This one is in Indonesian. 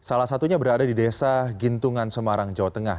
ketika berada di desa gintungan semarang jawa tengah